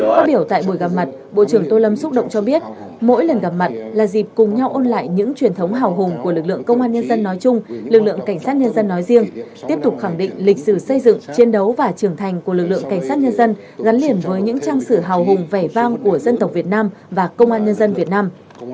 phát biểu tại buổi gặp mặt bộ trưởng tô lâm xúc động cho biết mỗi lần gặp mặt là dịp cùng nhau ôn lại những truyền thống hào hùng của lực lượng công an nhân dân nói chung lực lượng cảnh sát nhân dân nói riêng tiếp tục khẳng định lịch sử xây dựng chiến đấu và trưởng thành của lực lượng cảnh sát nhân dân gắn liền với những trang sử hào hùng vẻ vang của dân tộc việt nam và công an nhân dân việt nam